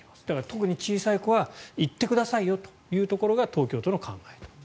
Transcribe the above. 特に小さい子は行ってくださいよというのが東京都の考え。